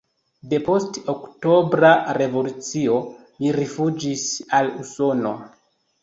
Depost Oktobra Revolucio li rifuĝis al Usono.